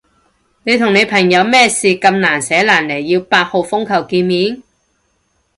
你同你朋友咩事咁難捨難離要八號風球見面？